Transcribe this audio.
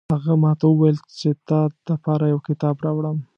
هغې ماته وویل چې د تا د پاره یو کتاب راوړم